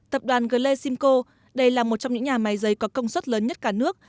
tập đoàn gle simcoe đây là một trong những nhà máy giấy có công suất lớn nhất cả nước